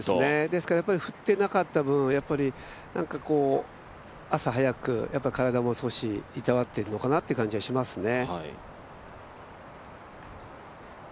ですから振ってなかった分、朝早く、やっぱり体も少しいたわっているのかなという感じがしますね。